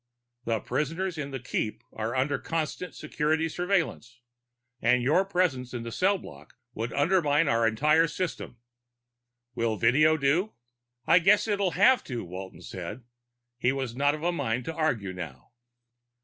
The prisoners in the Keep are under constant security surveillance, and your presence in the cell block would undermine our entire system. Will video do?" "I guess it'll have to," Walton said. He was not of a mind to argue now.